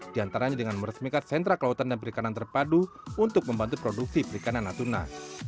di antaranya dengan meresmikan sentra kelautan dan perikanan terpadu untuk membantu produksi perikanan natuna